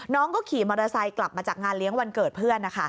น้องก็ขี่มอเตอร์ไซค์กลับมาจากงานเลี้ยงวันเกิดเพื่อน